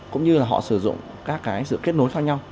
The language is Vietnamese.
cũng như là họ sử dụng các cái sự kết nối khác nhau